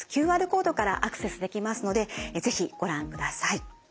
ＱＲコードからアクセスできますので是非ご覧ください。